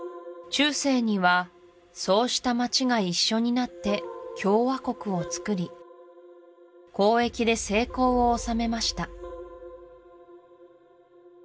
中世にはそうした街が一緒になって共和国をつくり交易で成功を収めました